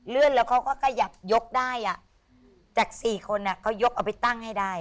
เลื่อนแล้วเขาก็กระหยับยกได้จาก๔คนเขายกเอาไปตั้งให้ได้